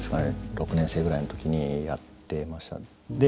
６年生ぐらいの時にやってましたね。